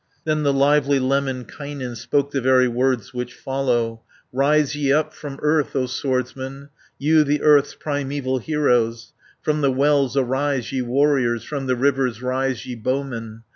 Then the lively Lemminkainen Spoke the very words which follow: "Rise ye up from earth, O swordsmen, You, the earth's primeval heroes, From the wells arise, ye warriors, From the rivers rise, ye bowmen!